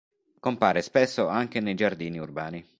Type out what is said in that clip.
Compare spesso anche nei giardini urbani.